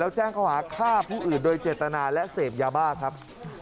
แล้วแจ้งเขาหาฆ่าผู้อื่นโดยเจตนาและเสพยาบ้าครับ